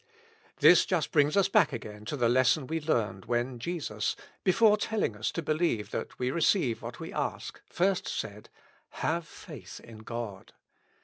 This just brings us back again to the lesson we learned when Jesus, before telling us to believe that we receive what we ask, first said, " Have faith in God."